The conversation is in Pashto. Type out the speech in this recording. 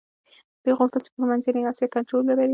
دوی غوښتل چي پر منځنۍ اسیا کنټرول ولري.